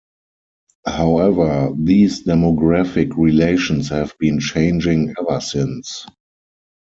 However, these demographic relations have been changing ever since.